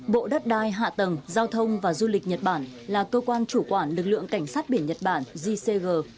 bộ đất đai hạ tầng giao thông và du lịch nhật bản là cơ quan chủ quản lực lượng cảnh sát biển nhật bản gcg